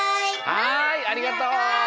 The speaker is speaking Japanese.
はいありがとう！